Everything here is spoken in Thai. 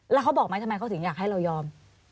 แล้วเขาบอกไหมทำไมเขาถึงอยากให้เรายอม